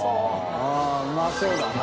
あぁうまそうだな。